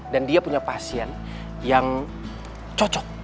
dan dia punya pasien yang cocok